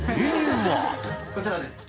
こちらです。